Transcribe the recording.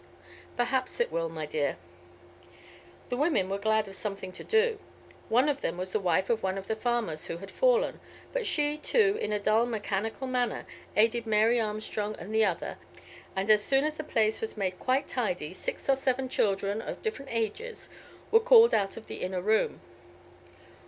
"Perhaps it will, my dear." The women were glad of something to do. One of them was the wife of one of the farmers who had fallen, but she, too, in a dull mechanical manner, aided Mary Armstrong and the other, and as soon as the place was made quite tidy, six or seven children, of different ages, were called out from the inner room.